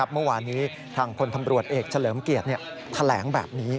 เมื่อวานนี้ทางพลตำรวจเอกเฉลิมเกียรติแถลงแบบนี้